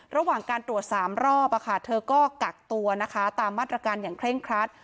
ระหว่างการตรวจ๓รอบเธอก็กักตัวนะคะตามมาตรการอย่างเคร่งครัด